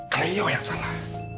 kelio yang salah